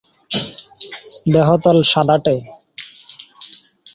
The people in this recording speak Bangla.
দেহতল সাদাটে।